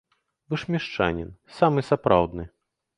Вы ж мешчанін, самы сапраўдны!